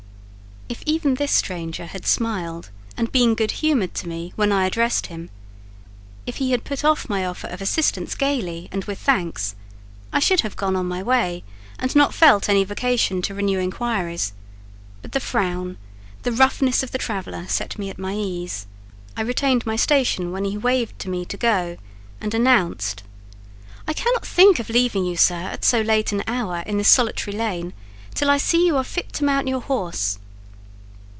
If even this stranger had smiled and been good humoured to me when I addressed him; if he had put off my offer of assistance gaily and with thanks, I should have gone on my way and not felt any vocation to renew inquiries: but the frown, the roughness of the traveller, set me at my ease: I retained my station when he waved to me to go, and announced— "I cannot think of leaving you, sir, at so late an hour, in this solitary lane, till I see you are fit to mount your horse."